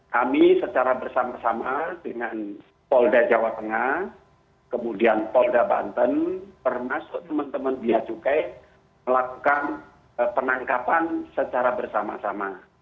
kami secara bersama sama dengan polda jawa tengah kemudian polda banten termasuk teman teman biacukai melakukan penangkapan secara bersama sama